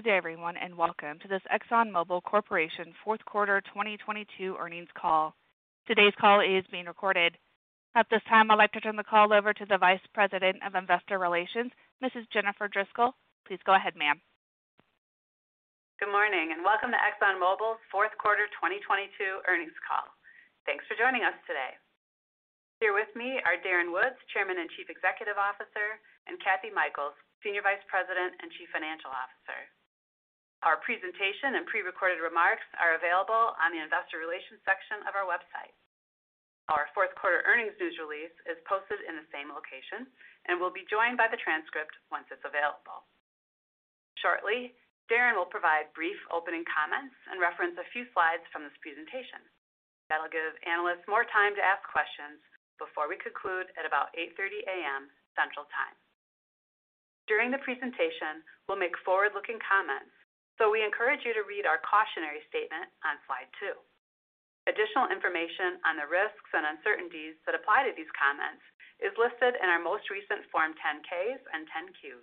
Good day, everyone. Welcome to this ExxonMobil Corporation fourth quarter 2022 earnings call. Today's call is being recorded. At this time, I'd like to turn the call over to the Vice President of Investor Relations, Mrs. Jennifer Driscoll. Please go ahead, ma'am. Good morning, and welcome to ExxonMobil's fourth quarter 2022 earnings call. Thanks for joining us today. Here with me are Darren Woods, Chairman and Chief Executive Officer, and Kathy Mikells, Senior Vice President and Chief Financial Officer. Our presentation and prerecorded remarks are available on the investor relations section of our website. Our fourth quarter earnings news release is posted in the same location and will be joined by the transcript once it's available. Shortly, Darren will provide brief opening comments and reference a few slides from this presentation. That'll give analysts more time to ask questions before we conclude at about 8:30 A.M. Central Time. During the presentation, we'll make forward-looking comments, so we encourage you to read our cautionary statement on Slide 2. Additional information on the risks and uncertainties that apply to these comments is listed in our most recent Form 10-Ks and 10-Qs.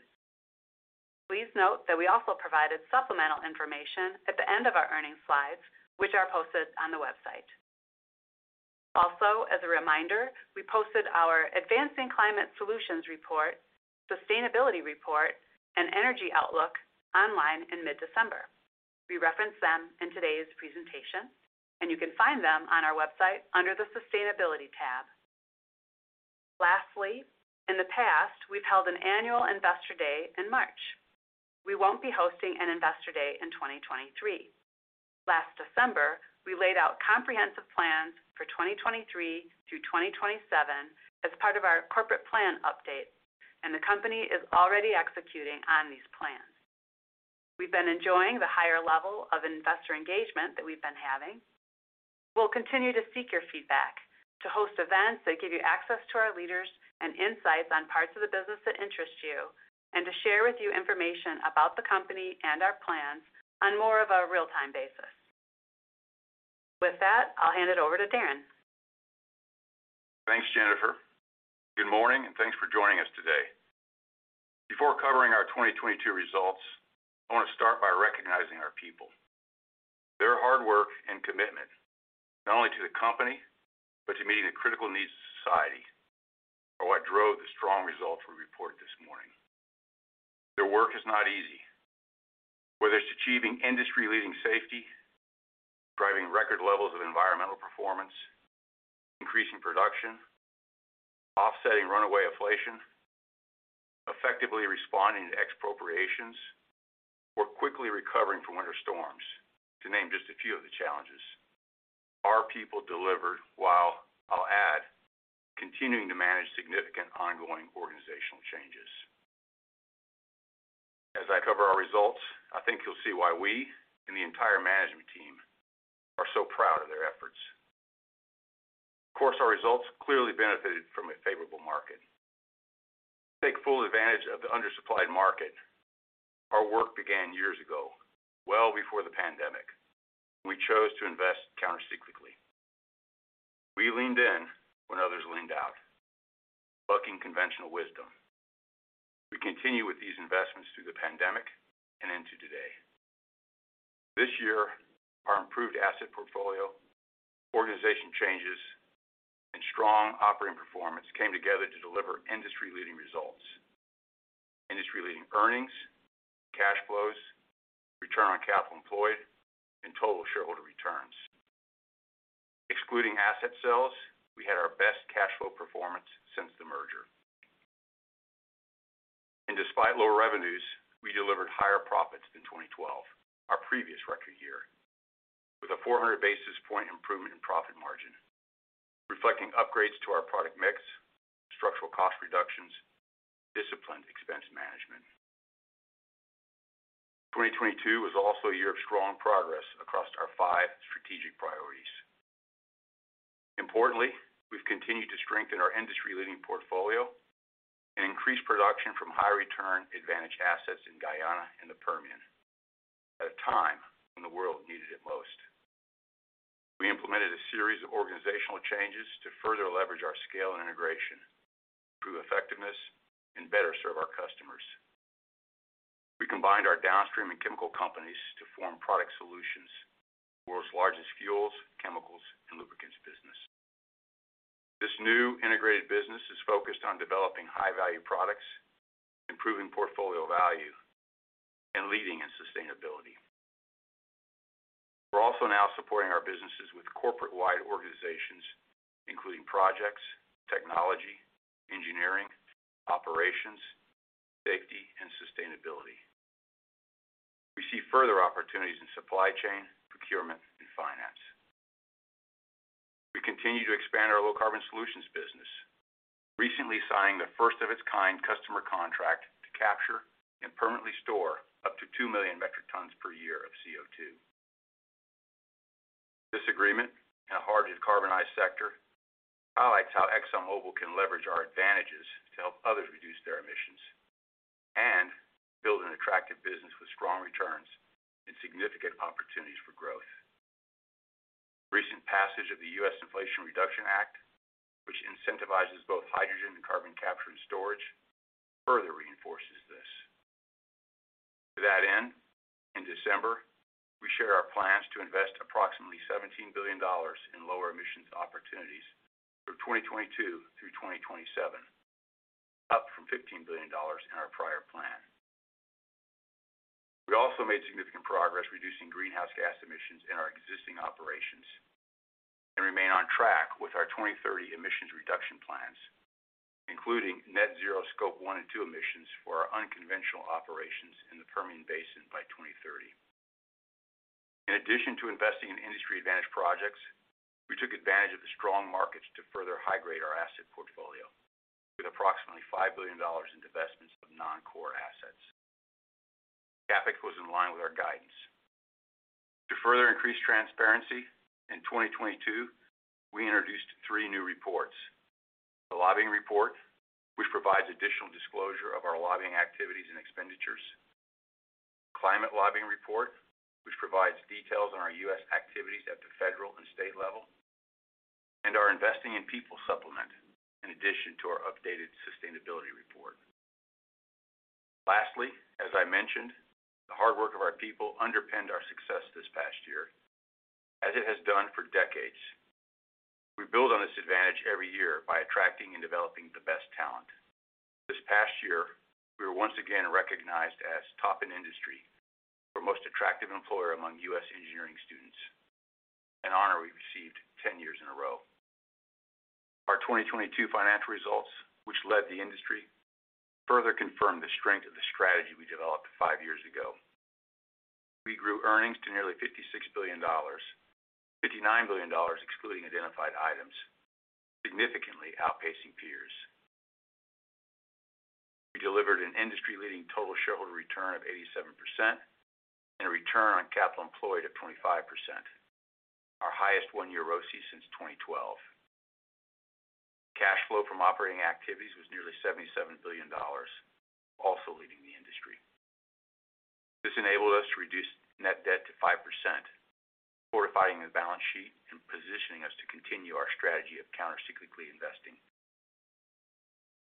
Please note that we also provided supplemental information at the end of our earnings slides, which are posted on the website. As a reminder, we posted our Advancing Climate Solutions report, sustainability report, and energy outlook online in mid-December. We reference them in today's presentation, and you can find them on our website under the Sustainability tab. In the past, we've held an Annual Investor Day in March. We won't be hosting an Investor Day in 2023. Last December, we laid out comprehensive plans for 2023 through 2027 as part of our corporate plan update, and the company is already executing on these plans. We've been enjoying the higher level of investor engagement that we've been having. We'll continue to seek your feedback to host events that give you access to our leaders and insights on parts of the business that interest you, and to share with you information about the company and our plans on more of a real-time basis. With that, I'll hand it over to Darren. Thanks, Jennifer. Good morning, and thanks for joining us today. Before covering our 2022 results, I wanna start by recognizing our people. Their hard work and commitment, not only to the company, but to meeting the critical needs of society are what drove the strong results we report this morning. Their work is not easy. Whether it's achieving industry-leading safety, driving record levels of environmental performance, increasing production, offsetting runaway inflation, effectively responding to expropriations, or quickly recovering from winter storms, to name just a few of the challenges, our people delivered while, I'll add, continuing to manage significant ongoing organizational changes. As I cover our results, I think you'll see why we and the entire management team are so proud of their efforts. Of course, our results clearly benefited from a favorable market. To take full advantage of the undersupplied market, our work began years ago, well before the pandemic. We chose to invest countercyclically. We leaned in when others leaned out, bucking conventional wisdom. We continued with these investments through the pandemic and into today. This year, our improved asset portfolio, organization changes, and strong operating performance came together to deliver industry-leading results, industry-leading earnings, cash flows, return on capital employed, and total shareholder returns. Excluding asset sales, we had our best cash flow performance since the merger. Despite lower revenues, we delivered higher profits in 2012, our previous record year, with a 400 basis point improvement in profit margin, reflecting upgrades to our product mix, structural cost reductions, disciplined expense management. 2022 was also a year of strong progress across our 5 strategic priorities. Importantly, we've continued to strengthen our industry-leading portfolio and increase production from high return advantage assets in Guyana and the Permian at a time when the world needed it most. We implemented a series of organizational changes to further leverage our scale and integration, improve effectiveness, and better serve our customers. We combined our downstream and chemical companies to form Product Solutions, the world's largest fuels, chemicals, and lubricants business. This new integrated business is focused on developing high-value products, improving portfolio value, and leading in sustainability. We're also now supporting our businesses with corporate-wide organizations, including projects, technology, engineering, operations, safety, and sustainability. We see further opportunities in supply chain, procurement, and finance. We continue to expand our low-carbon solutions business, recently signing the first of its kind customer contract to capture and permanently store up to 2 million metric tons per year of CO₂. This agreement in a hard-to-decarbonize sector highlights how ExxonMobil can leverage our advantages to help others reduce their emissions and build an attractive business with strong returns and significant opportunities for growth. Recent passage of the U.S. Inflation Reduction Act, which incentivizes both hydrogen and carbon capture and storage, further reinforces this. To that end, in December, we share our plans to invest approximately $17 billion in lower emissions opportunities through 2022-2027, up from $15 billion in our prior plan. We also made significant progress reducing greenhouse gas emissions in our existing operations and remain on track with our 2030 emissions reduction plans, including net zero Scope 1 and 2 emissions for our unconventional operations in the Permian Basin by 2030. In addition to investing in industry advantage projects, we took advantage of the strong markets to further high grade our asset portfolio with approximately $5 billion in divestments of non-core assets. CapEx was in line with our guidance. To further increase transparency, in 2022, we introduced three new reports. The lobbying report, which provides additional disclosure of our lobbying activities and expenditures. Climate lobbying report, which provides details on our U.S. activities at the federal and state level, and our Investing in People Supplement in addition to our updated sustainability report. Lastly, as I mentioned, the hard work of our people underpinned our success this past year, as it has done for decades. We build on this advantage every year by attracting and developing the best talent. This past year, we were once again recognized as top in industry for most attractive employer among U.S. engineering students. An honor we received 10 years in a row. Our 2022 financial results, which led the industry, further confirmed the strength of the strategy we developed 5 years ago. We grew earnings to nearly $56 billion, $59 billion excluding identified items, significantly outpacing peers. We delivered an industry-leading total shareholder return of 87% and a return on capital employed of 25%. Our highest one year ROCE since 2012. Cash flow from operating activities was nearly $77 billion, also leading the industry. This enabled us to reduce net debt to 5%, fortifying the balance sheet and positioning us to continue our strategy of countercyclically investing.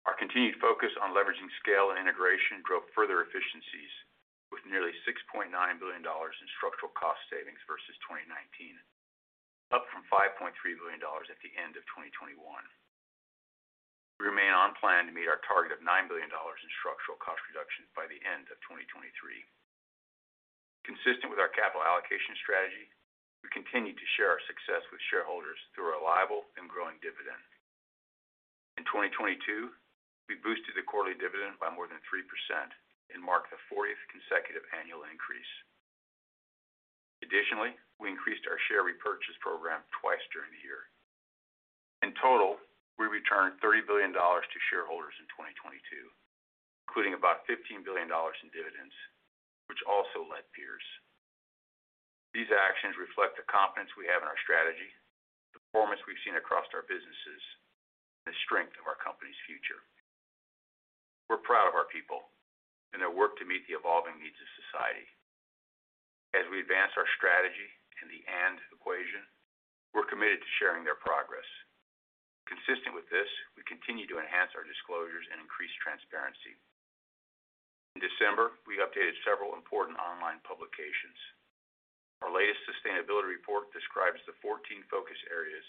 Our continued focus on leveraging scale and integration drove further efficiencies with nearly $6.9 billion in structural cost savings versus 2019, up from $5.3 billion at the end of 2021. We remain on plan to meet our target of $9 billion in structural cost reductions by the end of 2023. Consistent with our capital allocation strategy, we continue to share our success with shareholders through a reliable and growing dividend. In 2022, we boosted the quarterly dividend by more than 3% and marked the 40th consecutive annual increase. We increased our share repurchase program twice during the year. In total, we returned $30 billion to shareholders in 2022, including about $15 billion in dividends, which also led peers. These actions reflect the confidence we have in our strategy, the performance we've seen across our businesses, and the strength of our company's future. We're proud of our people and their work to meet the evolving needs of society. As we advance our strategy and the equation, we're committed to sharing their progress. Consistent with this, we continue to enhance our disclosures and increase transparency. In December, we updated several important online publications. Our latest sustainability report describes the 14 focus areas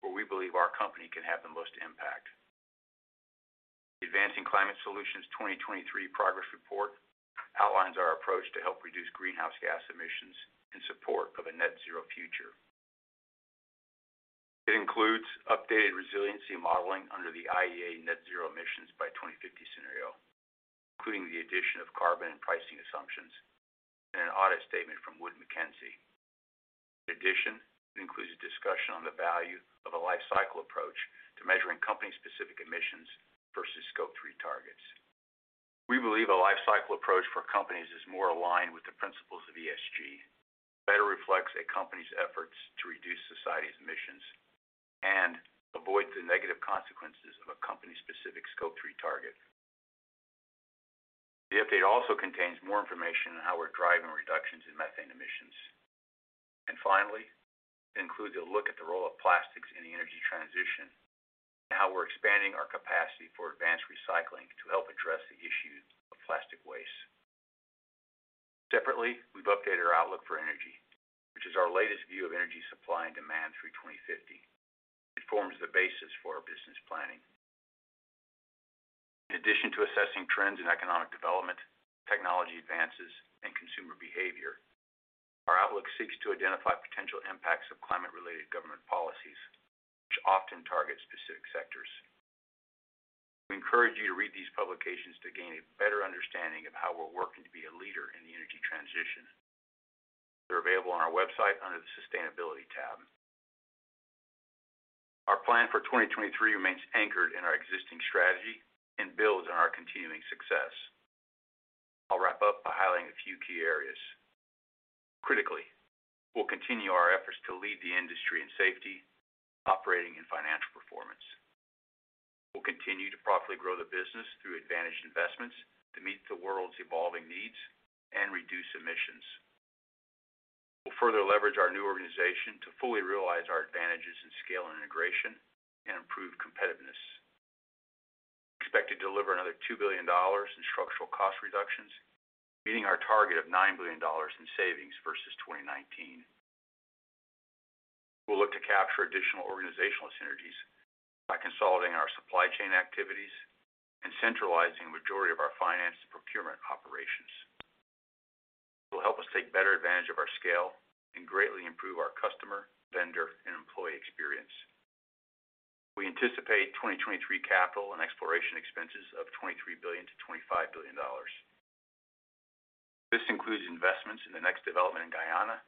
where we believe our company can have the most impact. Advancing Climate Solutions 2023 progress report outlines our approach to help reduce greenhouse gas emissions in support of a net zero future. It includes updated resiliency modeling under the IEA net zero emissions by 2050 scenario, including the addition of carbon and pricing assumptions and an audit statement from Wood Mackenzie. It includes a discussion on the value of a lifecycle approach to measuring company-specific emissions versus Scope 3 targets. We believe a lifecycle approach for companies is more aligned with the principles of ESG, better reflects a company's efforts to reduce society's emissions and avoid the negative consequences of a company-specific Scope 3 target. The update also contains more information on how we're driving reductions in methane emissions. Finally, it includes a look at the role of plastics in the energy transition and how we're expanding our capacity for advanced recycling to help address the issue of plastic waste. Separately, we've updated our outlook for energy, which is our latest view of energy supply and demand through 2050. It forms the basis for our business planning. In addition to assessing trends in economic development, technology advances, and consumer behavior, our outlook seeks to identify potential impacts of climate-related government policies, which often target specific sectors. We encourage you to read these publications to gain a better understanding of how we're working to be a leader in the energy transition. They're available on our website under the Sustainability tab. Our plan for 2023 remains anchored in our existing strategy and builds on our continuing success. I'll wrap up by highlighting a few key areas. Critically, we'll continue our efforts to lead the industry in safety. We'll continue to profitably grow the business through advantaged investments to meet the world's evolving needs and reduce emissions. We'll further leverage our new organization to fully realize our advantages in scale and integration and improve competitiveness. We expect to deliver another $2 billion in structural cost reductions, meeting our target of $9 billion in savings versus 2019. We'll look to capture additional organizational synergies by consolidating our supply chain activities and centralizing the majority of our finance and procurement operations. This will help us take better advantage of our scale and greatly improve our customer, vendor, and employee experience. We anticipate 2023 capital and exploration expenses of $23 billion-$25 billion. This includes investments in the next development in Guyana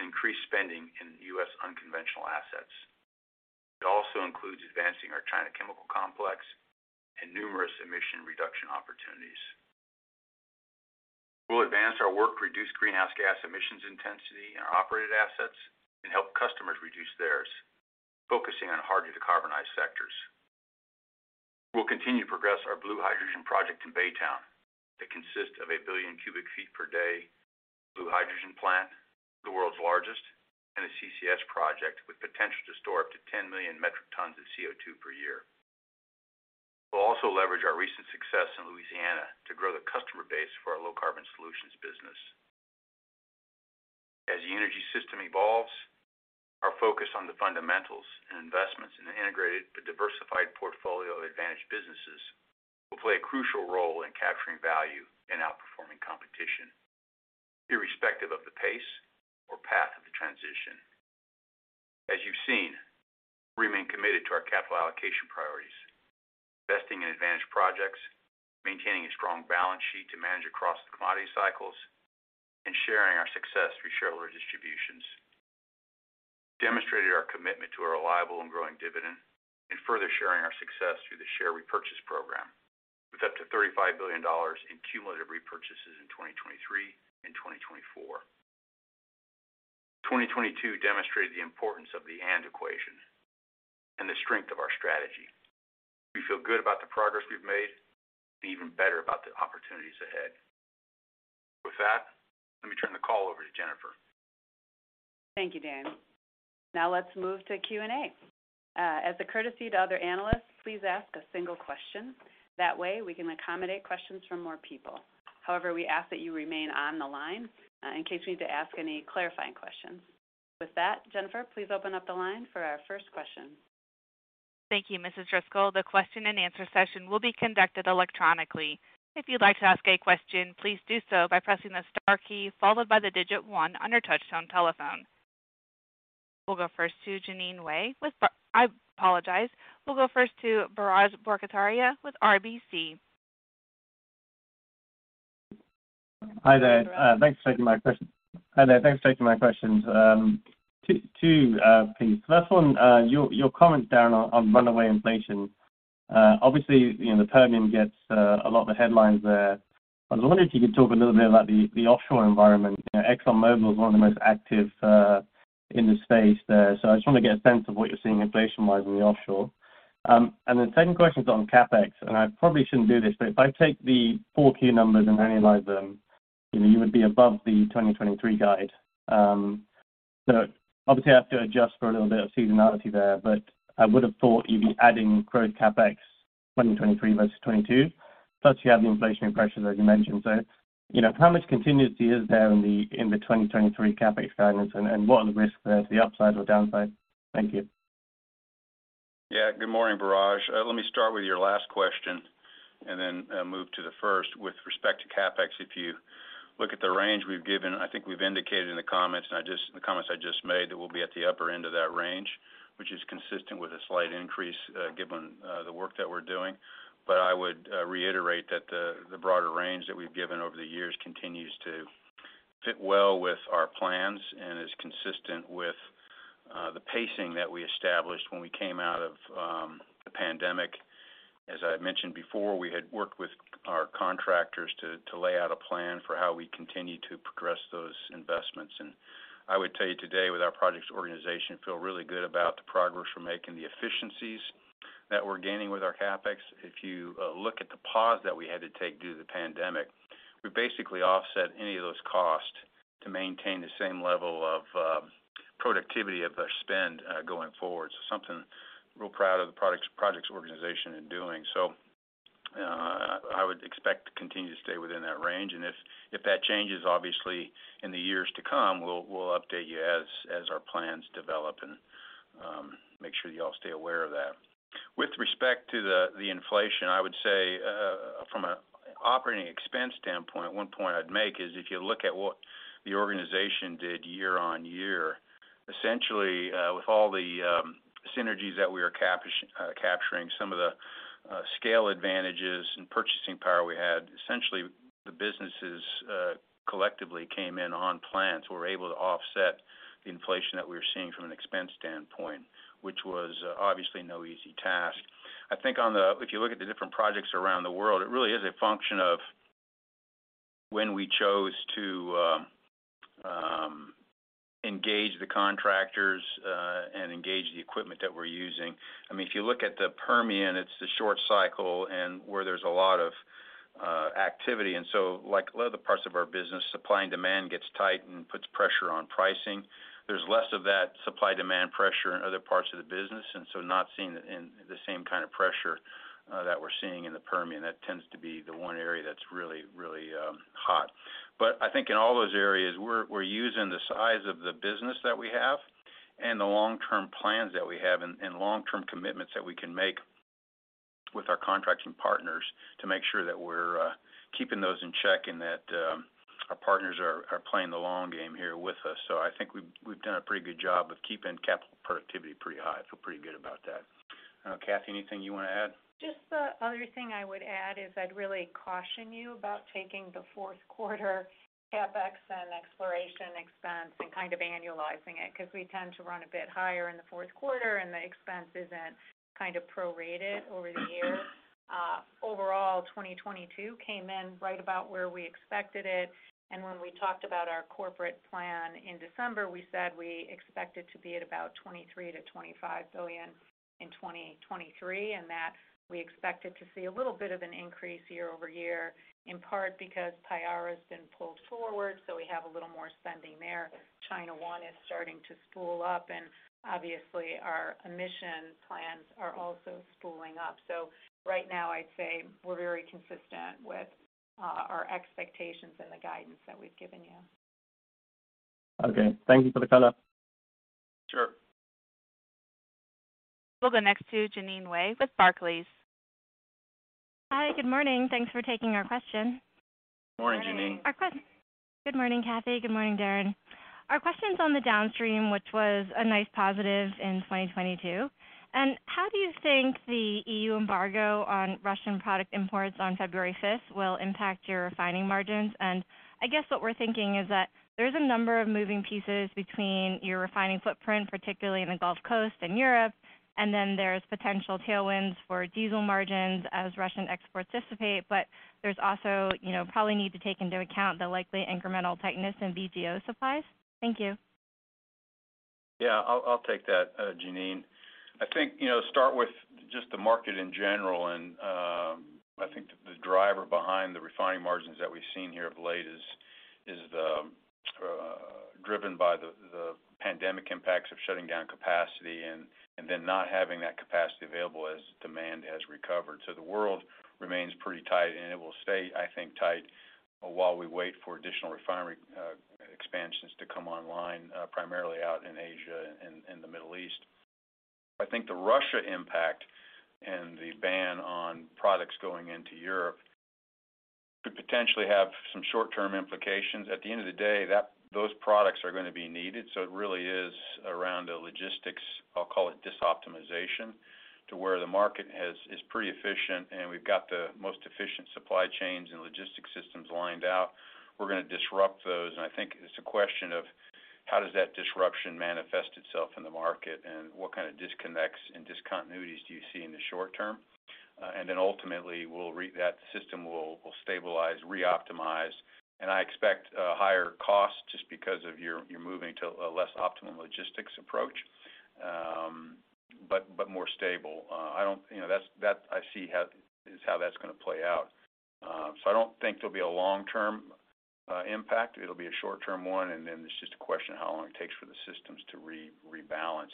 and increased spending in U.S. unconventional assets. It also includes advancing our China chemical complex and numerous emission reduction opportunities. We'll advance our work to reduce greenhouse gas emissions intensity in our operated assets and help customers reduce theirs, focusing on hard-to-decarbonize sectors. We'll continue to progress our blue hydrogen project in Baytown that consists of a 1 billion cubic feet per day blue hydrogen plant, the world's largest, and a CCS project with potential to store up to 10 million metric tons of CO₂ per year. We'll also leverage our recent success in Louisiana to grow the customer base for our low-carbon solutions business. As the energy system evolves, our focus on the fundamentals and investments in an integrated but diversified portfolio of advantaged businesses will play a crucial role in capturing value and outperforming competition, irrespective of the pace or path of the transition. As you've seen, we remain committed to our capital allocation priorities, investing in advantaged projects, maintaining a strong balance sheet to manage across the commodity cycles, and sharing our success through shareholder distributions. We demonstrated our commitment to a reliable and growing dividend and further sharing our success through the share repurchase program, with up to $35 billion in cumulative repurchases in 2023 and 2024. 2022 demonstrated the importance of the and equation and the strength of our strategy. We feel good about the progress we've made and even better about the opportunities ahead. With that, let me turn the call over to Jennifer. Thank you, Darren. Let's move to Q&A. As a courtesy to other analysts, please ask a single question. That way, we can accommodate questions from more people. We ask that you remain on the line, in case we need to ask any clarifying questions. With that, Jennifer, please open up the line for our first question. Thank you, Mrs. Driscoll. The question and answer session will be conducted electronically. If you'd like to ask a question, please do so by pressing the star key followed by the digit one on your touchtone telephone. We'll go first to Jeanine Wai with I apologize. We'll go first to Biraj Borkhataria with RBC. Hi there. Thanks for taking my questions. Two, please. First one, your comment, Darren, on runaway inflation. Obviously, you know, the Permian gets a lot of the headlines there. I was wondering if you could talk a little bit about the offshore environment. You know, ExxonMobil is one of the most active in the space there. I just wanna get a sense of what you're seeing inflation-wise in the offshore. The second question is on CapEx, and I probably shouldn't do this, but if I take the full-year numbers and annualize them, you know, you would be above the 2023 guide. Obviously, I have to adjust for a little bit of seasonality there, but I would have thought you'd be adding growth CapEx 2023 versus 22. Plus, you have the inflationary pressures, as you mentioned. You know, how much continuity is there in the 2023 CapEx guidance? What are the risks there to the upside or downside? Thank you. Good morning, Biraj. Let me start with your last question and then move to the first. With respect to CapEx, if you look at the range we've given, I think we've indicated in the comments, and the comments I just made, that we'll be at the upper end of that range, which is consistent with a slight increase, given the work that we're doing. I would reiterate that the broader range that we've given over the years continues to fit well with our plans and is consistent with the pacing that we established when we came out of the pandemic. As I mentioned before, we had worked with our contractors to lay out a plan for how we continue to progress those investments. I would tell you today, with our projects organization, feel really good about the progress we're making, the efficiencies that we're gaining with our CapEx. If you look at the pause that we had to take due to the pandemic, we basically offset any of those costs to maintain the same level of productivity of our spend going forward. Something real proud of the projects organization in doing. I would expect to continue to stay within that range. If that changes, obviously, in the years to come, we'll update you as our plans develop and make sure y'all stay aware of that. With respect to the inflation, I would say, from an operating expense standpoint, one point I'd make is if you look at what the organization did year-over-year, essentially, with all the synergies that we are capturing, some of the scale advantages and purchasing power we had, essentially the businesses collectively came in on plan. We're able to offset the inflation that we were seeing from an expense standpoint, which was obviously no easy task. I think if you look at the different projects around the world, it really is a function of when we chose to, the contractors and engage the equipment that we're using. I mean, if you look at the Permian, it's the short cycle and where there's a lot of activity. Like a lot of the parts of our business, supply and demand gets tight and puts pressure on pricing. There's less of that supply demand pressure in other parts of the business, not seeing the same kind of pressure that we're seeing in the Permian. That tends to be the one area that's really, really hot. I think in all those areas we're using the size of the business that we have and the long-term plans that we have and long-term commitments that we can make with our contracts and partners to make sure that we're keeping those in check and that our partners are playing the long game here with us. I think we've done a pretty good job of keeping capital productivity pretty high. I feel pretty good about that. Kathy, anything you wanna add? Just the other thing I would add is I'd really caution you about taking the fourth quarter CapEx and exploration expense and kind of annualizing it, 'cause we tend to run a bit higher in the fourth quarter and the expense isn't kind of prorated over the year. Overall, 2022 came in right about where we expected it. When we talked about our corporate plan in December, we said we expect it to be at about $23 billion-$25 billion in 2023. We expected to see a little bit of an increase year-over-year, in part because Payara has been pulled forward, so we have a little more spending there. China One is starting to spool up. Obviously, our emission plans are also spooling up. Right now, I'd say we're very consistent with our expectations and the guidance that we've given you. Okay. Thank you for the color. Sure. We'll go next to Jeanine Wai with Barclays. Hi. Good morning. Thanks for taking our question. Morning, Jeanine. Good morning, Kathy. Good morning, Darren. Our question's on the downstream, which was a nice positive in 2022. How do you think the EU embargo on Russian product imports on February fifth will impact your refining margins? I guess what we're thinking is that there's a number of moving pieces between your refining footprint, particulary in the Gulf Coast and Europe, and then there's potential tailwinds for diesel margins as Russian exports dissipate. There's also, you know, probably need to take into account the likely incremental tightness in BGO supplies. Thank you. Yeah. I'll take that, Jeanine. I think, you know, start with just the market in general. I think the driver behind the refining margins that we've seen here of late is the driven by the pandemic impacts of shutting down capacity and then not having that capacity available as demand has recovered. The world remains pretty tight and it will stay, I think, tight while we wait for additional refinery, expansions to come online, primarily out in Asia and the Middle East. I think the Russia impact and the ban on products going into Europe could potentially have some short-term implications. At the end of the day, those products are gonna be needed, it really is around the logistics, I'll call it, disoptimization to where the market is pretty efficient, and we've got the most efficient supply chains and logistics systems lined out. We're gonna disrupt those, and I think it's a question of how does that disruption manifest itself in the market, and what kind of disconnects and discontinuities do you see in the short term? Then ultimately, that system will stabilize, reoptimize, and I expect a higher cost just because of you're moving to a less optimum logistics approach, but more stable. I don't-- You know, that's how that's gonna play out. I don't think there'll be a long-term impact. It'll be a short-term one, and then it's just a question of how long it takes for the systems to rebalance.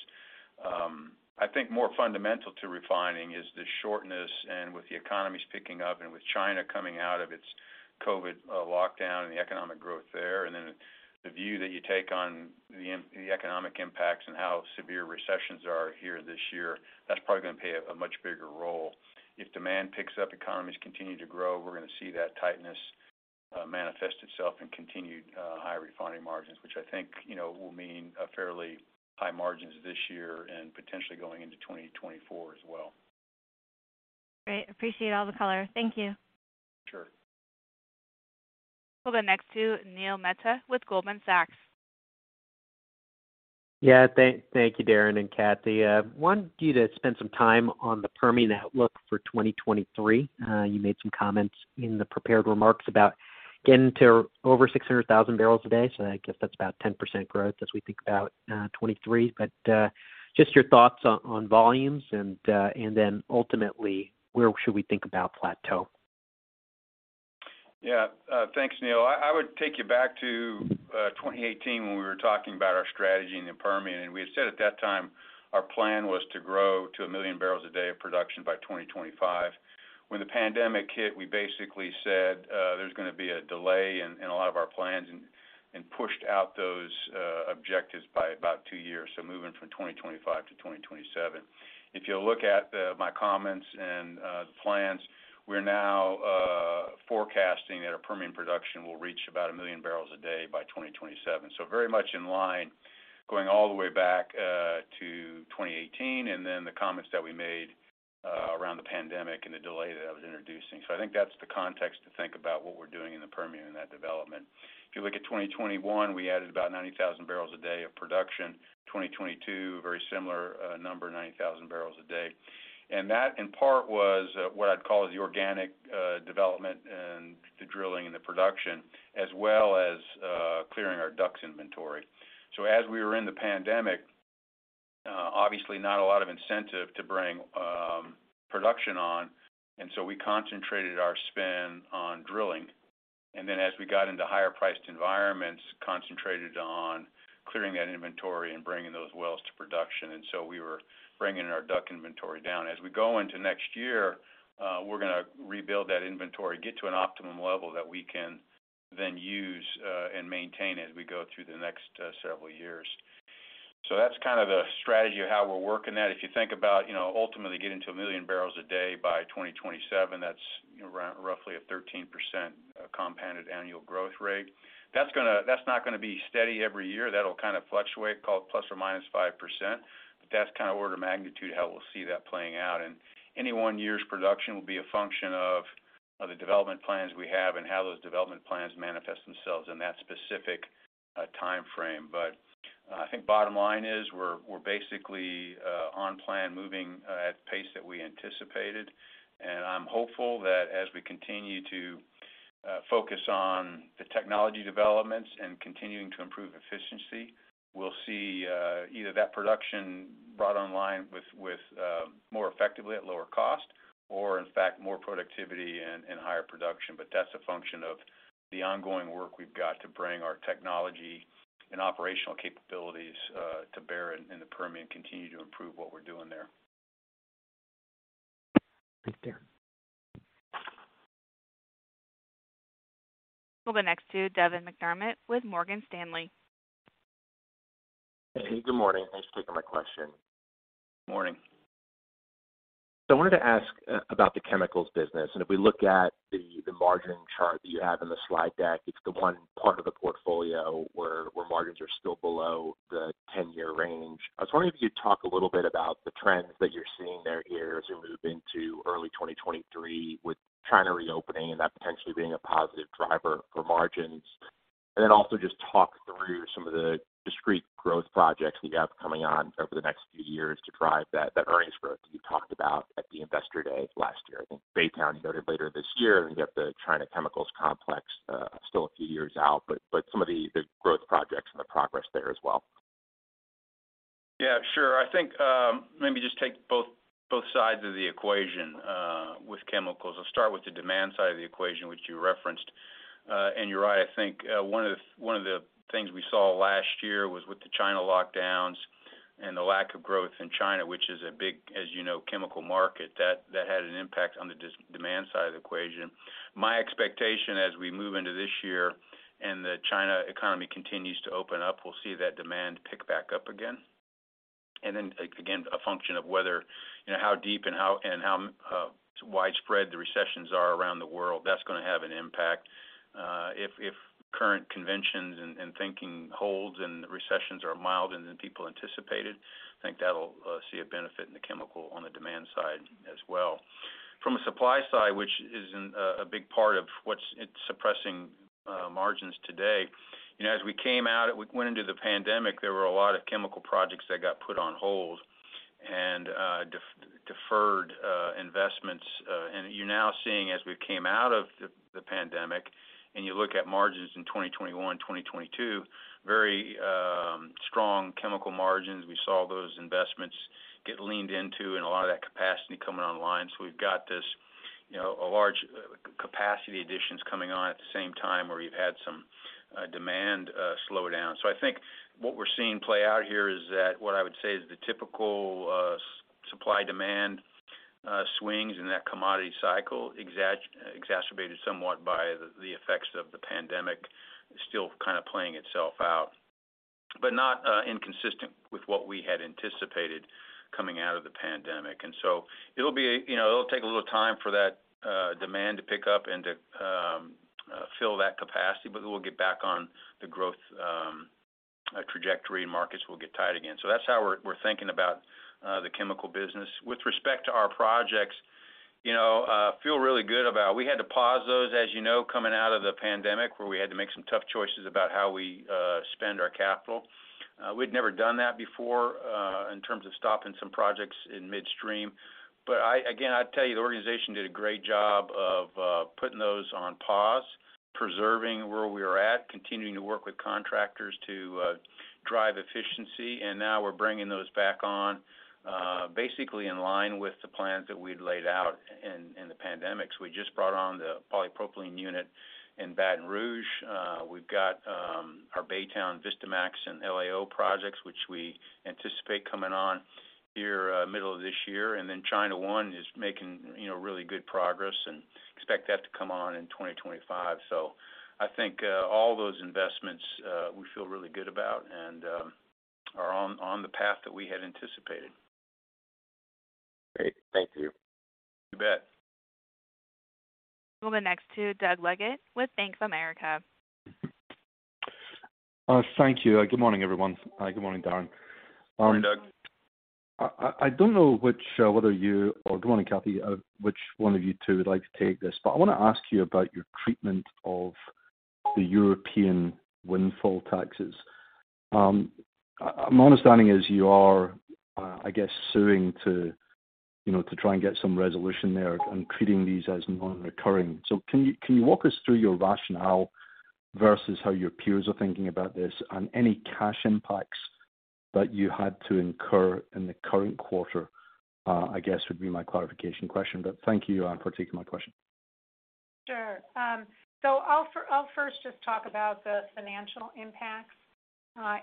I think more fundamental to refining is the shortness, and with the economies picking up and with China coming out of its COVID lockdown and the economic growth there, and then the view that you take on the economic impacts and how severe recessions are here this year, that's probably gonna play a much bigger role. If demand picks up, economies continue to grow, we're gonna see that tightness manifest itself in continued high refining margins, which I think, you know, will mean fairly high margins this year and potentially going into 2024 as well. Great. Appreciate all the color. Thank you. Sure. We'll go next to Neil Mehta with Goldman Sachs. Yeah. Thank you, Darren and Kathy. Wanted you to spend some time on the Permian outlook for 2023. You made some comments in the prepared remarks about getting to over 600,000 barrels a day, I guess that's about 10% growth as we think about 2023. Just your thoughts on volumes and ultimately, where should we think about plateau? Yeah. Thanks, Neil. I would take you back to 2018 when we were talking about our strategy in the Permian. We had said at that time, our plan was to grow to 1 million barrels a day of production by 2025. When the pandemic hit, we basically said, there's gonna be a delay in a lot of our plans and pushed out those objectives by about two years. Moving from 2025-2027. If you look at my comments and the plans, we're now forecasting that our Permian production will reach about 1 million barrels a day by 2027. Very much in line going all the way back to 2018 and then the comments that we made around the pandemic and the delay that I was introducing. I think that's the context to think about what we're doing in the Permian in that development. If you look at 2021, we added about 90,000 barrels a day of production. 2022, very similar number, 90,000 barrels a day. That, in part, was, what I'd call the organic development and the drilling and the production as well as clearing our DUCs inventory. As we were in the pandemic, obviously not a lot of incentive to bring production on, and so we concentrated our spend on drilling. Then as we got into higher-priced environments, concentrated on clearing that inventory and bringing those wells to production. We were bringing our DUC inventory down. As we go into next year, we're gonna rebuild that inventory, get to an optimum level that we can then use, and maintain as we go through the next, several years. That's kind of the strategy of how we're working that. If you think about, you know, ultimately getting to a million barrels a day by 2027, that's around roughly a 13% compounded annual growth rate. That's not gonna be steady every year. That'll kind of fluctuate call it ±5%. That's kind of order of magnitude how we'll see that playing out. Any one year's production will be a function of the development plans we have and how those development plans manifest themselves in that specific, timeframe. I think bottom line is, we're basically on plan, moving at pace that we anticipated. I'm hopeful that as we continue to focus on the technology developments and continuing to improve efficiency, we'll see either that production brought online with more effectively at lower cost or, in fact, more productivity and higher production. That's a function of the ongoing work we've got to bring our technology and operational capabilities to bear in the Permian, continue to improve what we're doing there. Thanks, Darren. We'll go next to Devin McDermott with Morgan Stanley. Hey, good morning. Thanks for taking my question. Morning. I wanted to ask about the chemicals business. If we look at the margin chart that you have in the slide deck, it's the one part of the portfolio where margins are still below the 10-year range. I was wondering if you'd talk a little bit about the trends that you're seeing there here as we move into early 2023 with China reopening and that potentially being a positive driver for margins. Also just talk through some of the discrete growth projects that you have coming on over the next few years to drive that earnings growth that you talked about at the Investor Day last year. I think Baytown you noted later this year, and you have the China chemicals complex still a few years out. Some of the growth projects and the progress there as well. Yeah, sure. I think, maybe just take both sides of the equation with chemicals. I'll start with the demand side of the equation, which you referenced. You're right. I think, one of the things we saw last year was with the China lockdowns and the lack of growth in China, which is a big, as you know, chemical market, that had an impact on the demand side of the equation. My expectation as we move into this year and the China economy continues to open up, we'll see that demand pick back up again. Again, a function of whether, you know, how deep and how widespread the recessions are around the world, that's gonna have an impact. If current conventions and thinking holds and recessions are milder than people anticipated, I think that'll see a benefit in the chemical on the demand side as well. From a supply side, which is a big part of what's it's suppressing margins today, you know, as we came out, we went into the pandemic, there were a lot of chemical projects that got put on hold and deferred investments. You're now seeing as we came out of the pandemic, and you look at margins in 2021, 2022, very strong chemical margins. We saw those investments get leaned into and a lot of that capacity coming online. We've got this, you know, a large capacity additions coming on at the same time where we've had some demand slow down. I think what we're seeing play out here is that what I would say is the typical supply-demand swings in that commodity cycle, exacerbated somewhat by the effects of the pandemic, still kind of playing itself out, but not inconsistent with what we had anticipated coming out of the pandemic. It'll be a, you know, it'll take a little time for that demand to pick up and to fill that capacity, but we'll get back on the growth trajectory, and markets will get tight again. That's how we're thinking about the chemical business. With respect to our projects, you know, feel really good about. We had to pause those, as you know, coming out of the pandemic, where we had to make some tough choices about how we spend our capital. We'd never done that before, in terms of stopping some projects in midstream. I, again, I'd tell you the organization did a great job of putting those on pause, preserving where we are at, continuing to work with contractors to drive efficiency, and now we're bringing those back on basically in line with the plans that we'd laid out in the pandemic. We just brought on the polypropylene unit in Baton Rouge. We've got our Baytown Vistamaxx and LAO projects, which we anticipate coming on here middle of this year. China One is making, you know, really good progress and expect that to come on in 2025. I think all those investments we feel really good about and are on the path that we had anticipated. Great. Thank you. You bet. We'll go next to Doug Leggate with Bank of America. Thank you. Good morning, everyone. Good morning, Darren. Morning, Doug. I don't know which, whether you or Good morning, Kathy, which one of you two would like to take this, but I wanna ask you about your treatment of the European windfall taxes. My understanding is you are, I guess, suing to, you know, to try and get some resolution there and treating these as non-recurring. Can you walk us through your rationale versus how your peers are thinking about this and any cash impacts that you had to incur in the current quarter, I guess would be my clarification question. Thank you for taking my question. Sure. I'll first just talk about the financial impacts.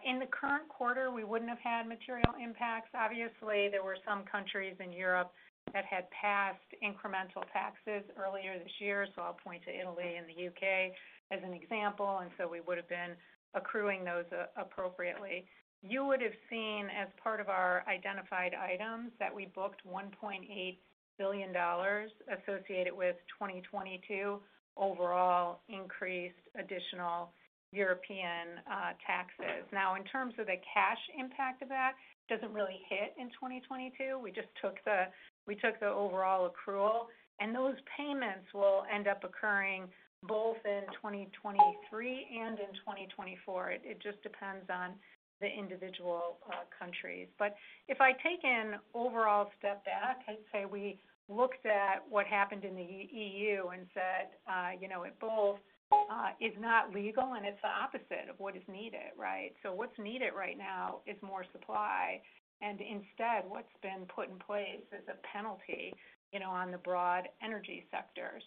In the current quarter, we wouldn't have had material impacts. Obviously, there were some countries in Europe that had passed incremental taxes earlier this year, so I'll point to Italy and the U.K. as an example. We would have been accruing those appropriately. You would have seen, as part of our identified items, that we booked $1.8 billion associated with 2022 overall increased additional European taxes. In terms of the cash impact of that, it doesn't really hit in 2022. We just took the overall accrual, and those payments will end up occurring both in 2023 and in 2024. It just depends on the individual countries. If I take an overall step back and say we looked at what happened in the EU and said, you know, it both is not legal and it's the opposite of what is needed, right? What's needed right now is more supply, and instead, what's been put in place is a penalty, you know, on the broad energy sector.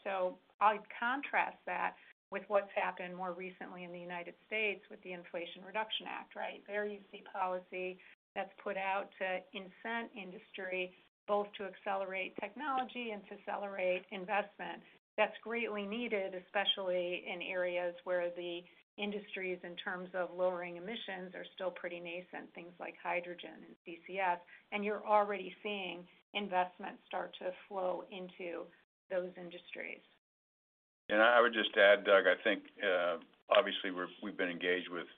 I contrast that with what's happened more recently in the United States with the Inflation Reduction Act, right? There you see policy that's put out to incent industry, both to accelerate technology and to accelerate investment. That's greatly needed, especially in areas where the industries, in terms of lowering emissions, are still pretty nascent, things like hydrogen and CCS, and you're already seeing investments start to flow into those industries. I would just add, Doug, I think, obviously, we've been engaged with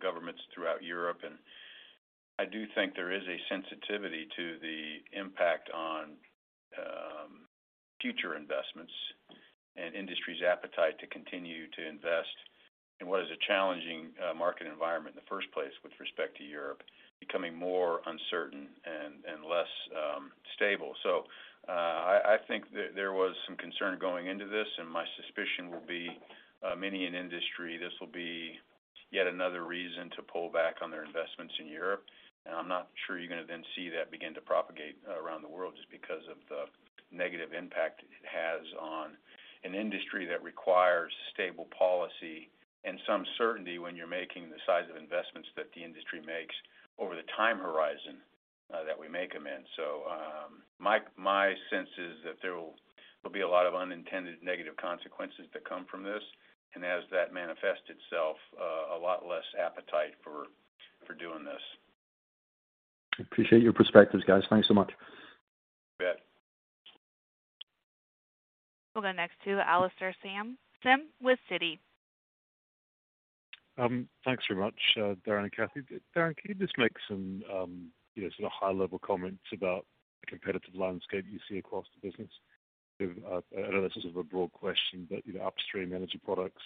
governments throughout Europe, and I do think there is a sensitivity to the impact on future investments and industry's appetite to continue to invest in what is a challenging market environment in the first place with respect to Europe becoming more uncertain and less stable. I think there was some concern going into this, and my suspicion will be many in industry, this will be yet another reason to pull back on their investments in Europe. I'm not sure you're gonna then see that begin to propagate around the world just because of the negative impact it has on an industry that requires stable policy and some certainty when you're making the size of investments that the industry makes over the time horizon that we make them in. My sense is that there will be a lot of unintended negative consequences that come from this. As that manifests itself, a lot less appetite for doing this. Appreciate your perspectives, guys. Thanks so much. You bet. We'll go next to Alastair Syme with Citi. Thanks very much, Darren and Kathy. Darren, can you just make some, you know, sort of high-level comments about the competitive landscape you see across the business? I know that's sort of a broad question, but, you know, upstream Energy Products,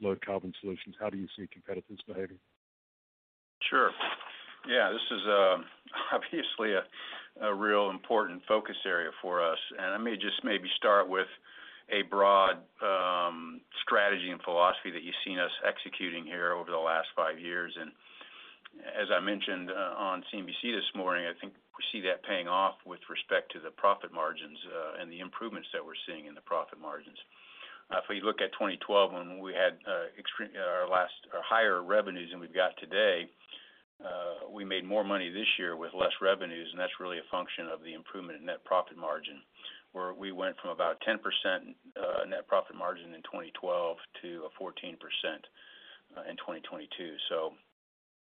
low-carbon solutions, how do you see competitors behaving? Sure. Yeah, this is obviously a real important focus area for us. I may just maybe start with a broad strategy and philosophy that you've seen us executing here over the last five years. As I mentioned on CNBC this morning, I think we see that paying off with respect to the profit margins and the improvements that we're seeing in the profit margins. If we look at 2012 when we had our last higher revenues than we've got today, we made more money this year with less revenues, and that's really a function of the improvement in net profit margin, where we went from about 10% net profit margin in 2012 to a 14% in 2022.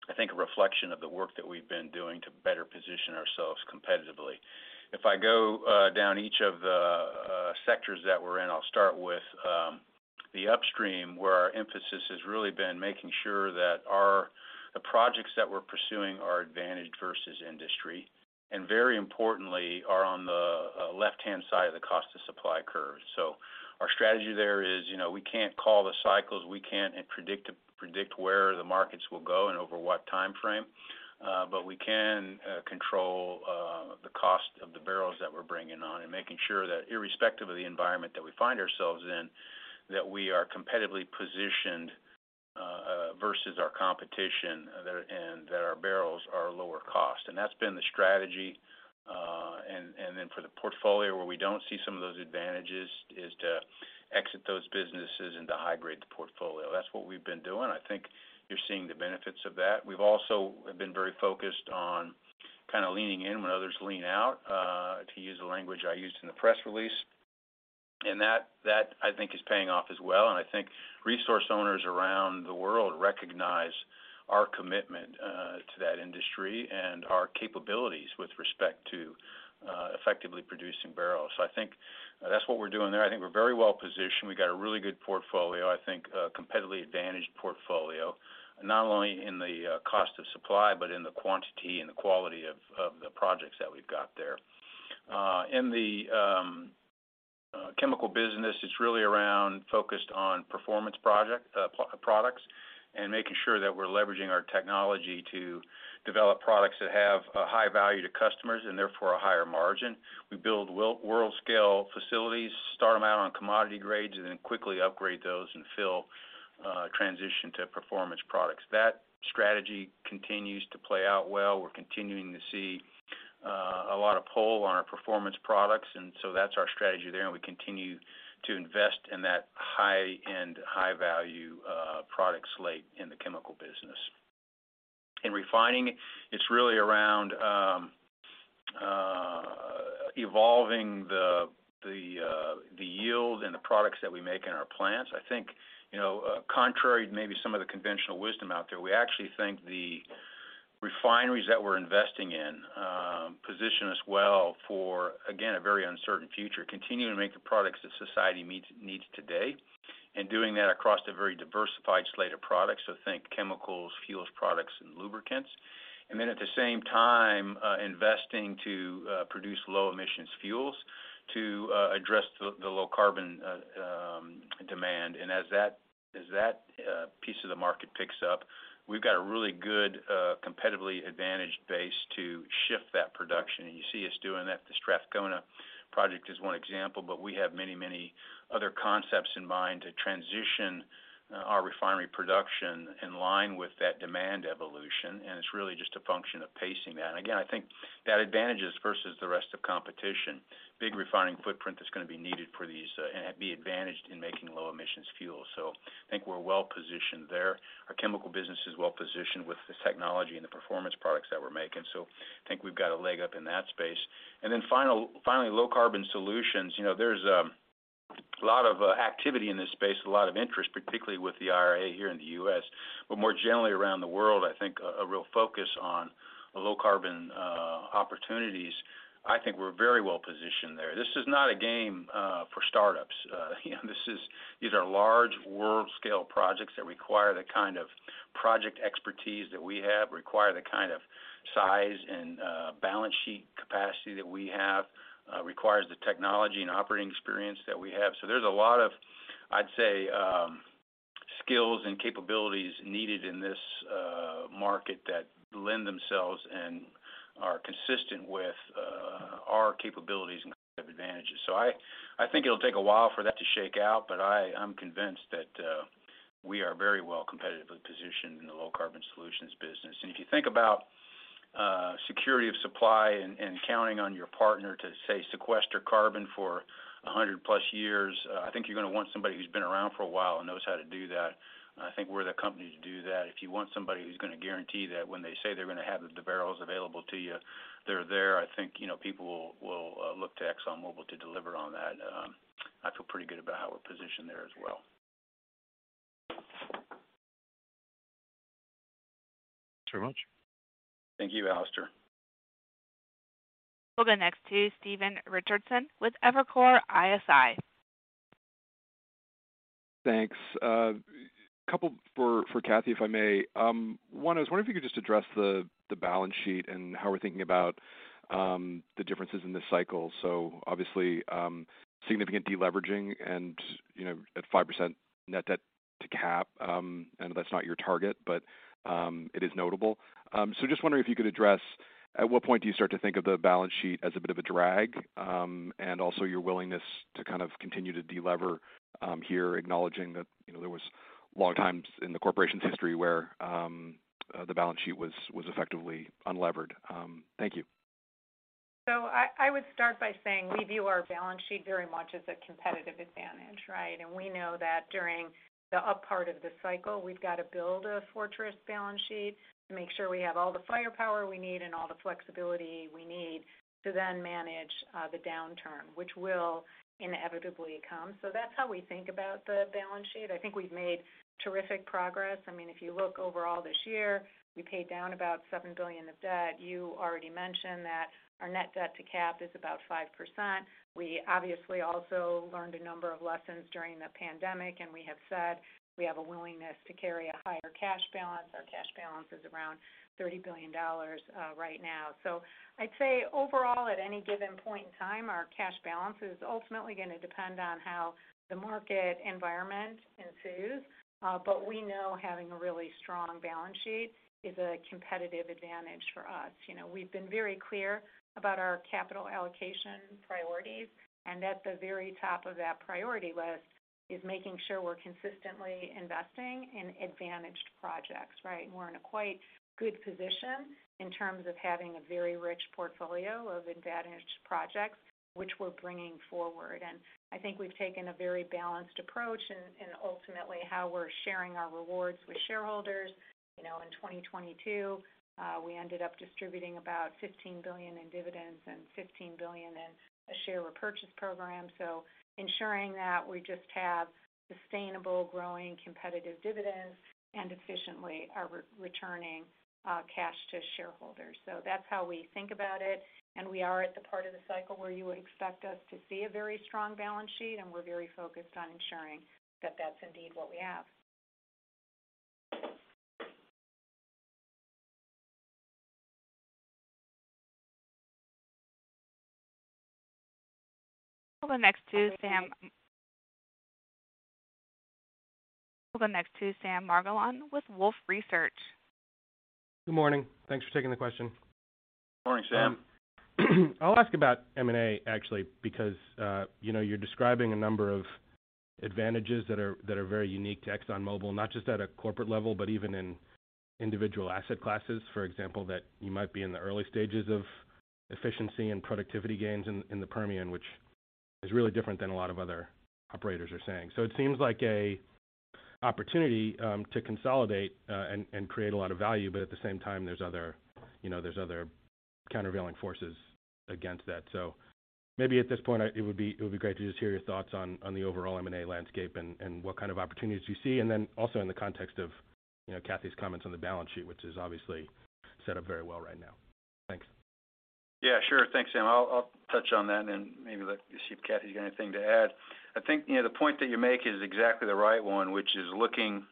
I think a reflection of the work that we've been doing to better position ourselves competitively. If I go down each of the sectors that we're in, I'll start with the upstream, where our emphasis has really been making sure that the projects that we're pursuing are advantaged versus industry, and very importantly, are on the left-hand side of the cost of supply curve. Our strategy there is, you know, we can't call the cycles, we can't predict where the markets will go and over what timeframe, but we can control the cost of the barrels that we're bringing on and making sure that irrespective of the environment that we find ourselves in, that we are competitively positioned versus our competition there and that our barrels are lower cost. That's been the strategy. Then for the portfolio where we don't see some of those advantages is to exit those businesses and to hybrid the portfolio. That's what we've been doing. I think you're seeing the benefits of that. We've also been very focused on kind of leaning in when others lean out, to use the language I used in the press release. That I think is paying off as well. I think resource owners around the world recognize our commitment to that industry and our capabilities with respect to effectively producing barrels. I think that's what we're doing there. I think we're very well-positioned. We got a really good portfolio, I think a competitively advantaged portfolio, not only in the cost of supply, but in the quantity and the quality of the projects that we've got there. In the chemical business, it's really around focused on performance products and making sure that we're leveraging our technology to develop products that have a high value to customers and therefore a higher margin. We build world-scale facilities, start them out on commodity grades, then quickly upgrade those and fill, transition to performance products. That strategy continues to play out well. We're continuing to see a lot of pull on our performance products. That's our strategy there, and we continue to invest in that high-end, high-value product slate in the chemical business. In refining, it's really around evolving the yield and the products that we make in our plants. I think, you know, contrary to maybe some of the conventional wisdom out there, we actually think the refineries that we're investing in, position us well for, again, a very uncertain future. Continuing to make the products that society needs today and doing that across a very diversified slate of products. Think chemicals, fuels, products, and lubricants. Then at the same time, investing to produce low emissions fuels to address the low carbon demand. As that piece of the market picks up, we've got a really good, competitively advantaged base to shift that production. You see us doing that. The Strathcona project is one example, but we have many, many other concepts in mind to transition our refinery production in line with that demand evolution, and it's really just a function of pacing that. Again, I think that advantage is versus the rest of competition. Big refining footprint is gonna be needed for these and be advantaged in making low emissions fuel. I think we're well-positioned there. Our chemical business is well-positioned with the technology and the performance products that we're making. I think we've got a leg up in that space. Then finally, low carbon solutions. You know, there's a lot of activity in this space, a lot of interest, particularly with the IRA here in the U.S., but more generally around the world, I think a real focus on low carbon opportunities. I think we're very well-positioned there. This is not a game for startups. You know, this is- These are large world-scale projects that require the kind of project expertise that we have, require the kind of size and balance sheet capacity that we have, requires the technology and operating experience that we have. There's a lot of, I'd say, skills and capabilities needed in this market that lend themselves and are consistent with our capabilities and competitive advantages. I think it'll take a while for that to shake out, but I'm convinced that we are very well competitively positioned in the low carbon solutions business. If you think about security of supply and counting on your partner to, say, sequester carbon for 100+ years, I think you're gonna want somebody who's been around for a while and knows how to do that. I think we're the company to do that. If you want somebody who's gonna guarantee that when they say they're gonna have the barrels available to you, they're there. I think, you know, people will look to ExxonMobil to deliver on that. I feel pretty good about how we're positioned there as well. Thanks very much. Thank you, Alastair. We'll go next to Stephen Richardson with Evercore ISI. Thanks. couple for Kathy, if I may. One, I was wondering if you could just address the balance sheet and how we're thinking about the differences in this cycle. Obviously, significant deleveraging and, you know, at 5% net debt to capital, I know that's not your target, but it is notable. Just wondering if you could address at what point do you start to think of the balance sheet as a bit of a drag, and also your willingness to kind of continue to delever here, acknowledging that, you know, there was long times in the Corporation's history where the balance sheet was effectively unlevered. Thank you. I would start by saying we view our balance sheet very much as a competitive advantage, right? We know that during the up part of the cycle, we've got to build a fortress balance sheet to make sure we have all the firepower we need and all the flexibility we need to then manage the downturn, which will inevitably come. That's how we think about the balance sheet. I think we've made terrific progress. I mean, if you look overall this year, we paid down about $7 billion of debt. You already mentioned that our net debt to capital is about 5%. We obviously also learned a number of lessons during the pandemic, and we have said we have a willingness to carry a higher cash balance. Our cash balance is around $30 billion right now. I'd say overall, at any given point in time, our cash balance is ultimately gonna depend on how the market environment ensues. We know having a really strong balance sheet is a competitive advantage for us. You know, we've been very clear about our capital allocation priorities, and at the very top of that priority list is making sure we're consistently investing in advantaged projects, right? We're in a quite good position in terms of having a very rich portfolio of advantaged projects which we're bringing forward. I think we've taken a very balanced approach in ultimately how we're sharing our rewards with shareholders. You know, in 2022, we ended up distributing about $15 billion in dividends and $15 billion in a share repurchase program. Ensuring that we just have sustainable growing competitive dividends and efficiently are re-returning cash to shareholders. That's how we think about it, and we are at the part of the cycle where you would expect us to see a very strong balance sheet, and we're very focused on ensuring that that's indeed what we have. We'll go next to Sam. Okay. We'll go next to Sam Margolin with Wolfe Research. Good morning. Thanks for taking the question. Good morning, Sam. I'll ask about M&A actually, because, you know, you're describing a number of advantages that are very unique to ExxonMobil, not just at a corporate level, but even in individual asset classes, for example, that you might be in the early stages of efficiency and productivity gains in the Permian, which is really different than a lot of other operators are saying. It seems like a opportunity to consolidate, and create a lot of value, but at the same time, there's other, you know, countervailing forces against that. Maybe at this point, it would be great to just hear your thoughts on the overall M&A landscape and what kind of opportunities you see? Also in the context of, you know, Kathy's comments on the balance sheet, which is obviously set up very well right now. Thanks. Yeah, sure. Thanks, Sam. I'll touch on that. Then maybe let just see if Kathy's got anything to add. I think, you know, the point that you make is exactly the right one, which is looking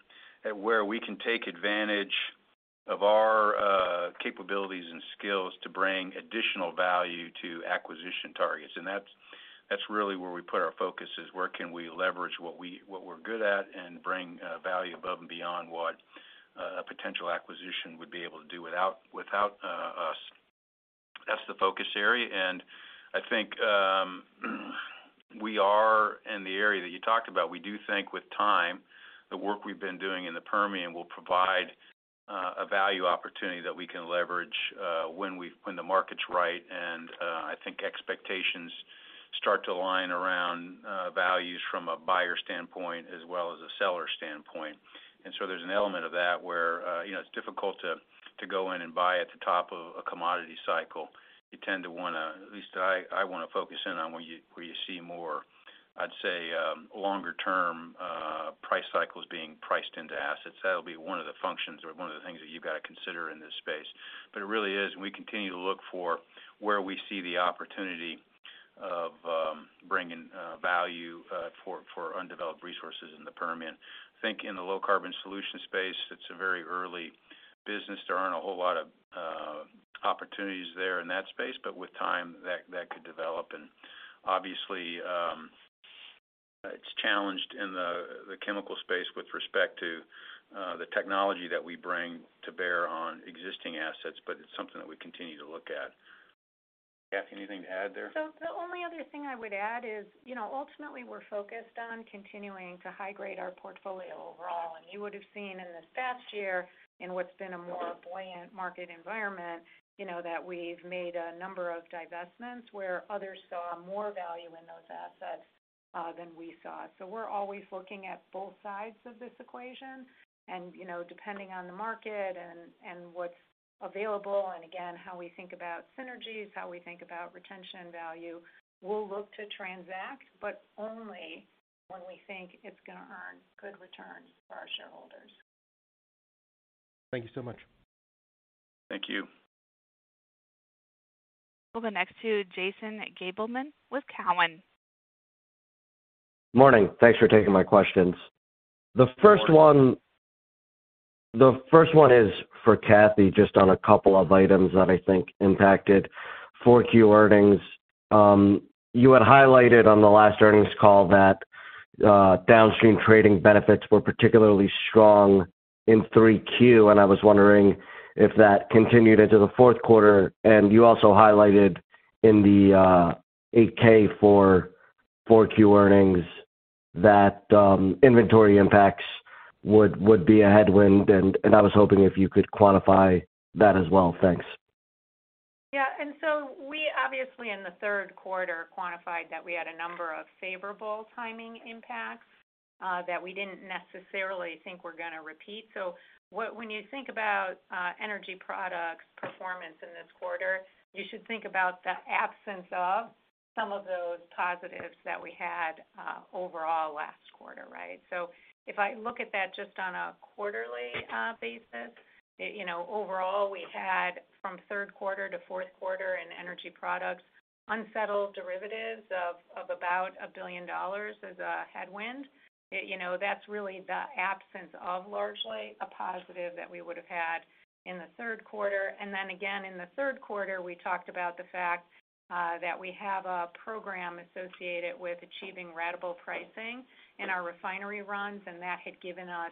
at where we can take advantage of our capabilities and skills to bring additional value to acquisition targets. That's really where we put our focus is where can we leverage what we're good at and bring value above and beyond what a potential acquisition would be able to do without us. That's the focus area. I think we are in the area that you talked about. We do think with time, the work we've been doing in the Permian will provide a value opportunity that we can leverage when the market's right. I think expectations start to align around values from a buyer standpoint as well as a seller standpoint. There's an element of that where, you know, it's difficult to go in and buy at the top of a commodity cycle. You tend to wanna, at least I wanna focus in on where you see more, I'd say, longer-term price cycles being priced into assets. That'll be one of the functions or one of the things that you've got to consider in this space. It really is, and we continue to look for where we see the opportunity of bringing value for undeveloped resources in the Permian. I think in the low carbon solution space, it's a very early business. There aren't a whole lot of opportunities there in that space, but with time, that could develop. Obviously, it's challenged in the chemical space with respect to the technology that we bring to bear on existing assets, but it's something that we continue to look at. Kathy, anything to add there? The only other thing I would add is, you know, ultimately, we're focused on continuing to high grade our portfolio overall. You would have seen in this past year, in what's been a more buoyant market environment, you know, that we've made a number of divestments where others saw more value in those assets, than we saw. We're always looking at both sides of this equation and, you know, depending on the market and what's available, and again, how we think about synergies, how we think about retention value, we'll look to transact, but only when we think it's gonna earn good returns for our shareholders. Thank you so much. Thank you. We'll go next to Jason Gabelman with Cowen. Morning. Thanks for taking my questions. Good morning. The first one is for Kathy, just on a couple of items that I think impacted 4Q earnings. You had highlighted on the last earnings call that downstream trading benefits were particularly strong in 3Q, and I was wondering if that continued into the fourth quarter. You also highlighted in the 8-K for 4Q earnings that inventory impacts would be a headwind, and I was hoping if you could quantify that as well. Thanks. We obviously in the third quarter quantified that we had a number of favorable timing impacts that we didn't necessarily think were gonna repeat. When you think about Energy Products performance in this quarter, you should think about the absence of some of those positives that we had overall last quarter, right? If I look at that just on a quarterly basis, you know, overall, we had from third quarter to fourth quarter in Energy Products, unsettled derivatives of about $1 billion as a headwind. You know, that's really the absence of largely a positive that we would have had in the third quarter. Again, in the third quarter, we talked about the fact that we have a program associated with achieving ratable pricing in our refinery runs, and that had given us,